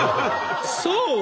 そう！